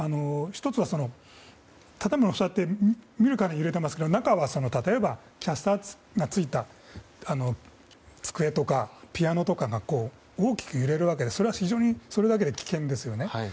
１つは、建物が見るからに揺れていますから中は例えばキャスターがついた机とかピアノとかが大きく揺れるわけでそれは非常にそれだけで危険ですよね。